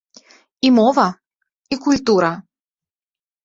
І мова, і культура.